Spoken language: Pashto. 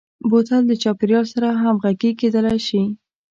بوتل د چاپیریال سره همغږي کېدلای شي.